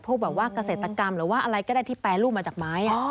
พวกแบบว่าเกษตรกรรมหรือว่าอะไรก็ได้ที่แปรรูปมาจากไม้